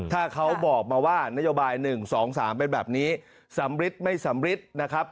ถ้าเขาบอกมาว่านโยบาย๑๒๓เป็นแบบนี้สำริดไม่สำริดนะครับ